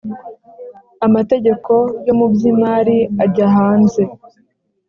amategeko yo mu by imari ajya hanze